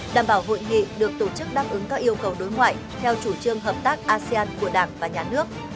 đảm bảo hội nghị được tổ chức đáp ứng các yêu cầu đối ngoại theo chủ trương hợp tác asean của đảng và nhà nước